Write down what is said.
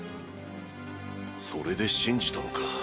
それで信じたのか？